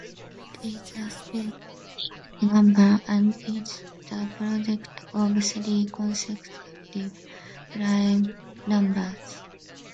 It is a sphenic number, and is the product of three consecutive prime numbers.